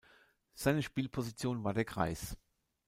Seine Spielposition war der Kreis.